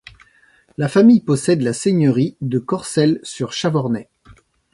La famille possède la seigneurie de Corcelles-sur-Chavornay.